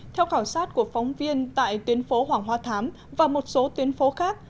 theo khảo sát của phóng viên tại tuyến phố hoàng hoa thám và một số tuyến phố khác